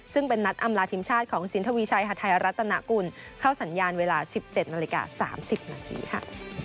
ซึ่งเป็นนัดอำลาทีมชาติของสินทวีชัยหาดไทยรัฐนากุลเข้าสัญญาณเวลา๑๗นาฬิกา๓๐นาทีค่ะ